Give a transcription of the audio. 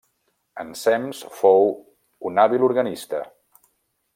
Ensems fou un hàbil organista.